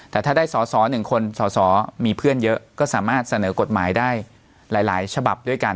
แต่ถ้าได้สอสอ๑คนสอสอมีเพื่อนเยอะก็สามารถเสนอกฎหมายได้หลายฉบับด้วยกัน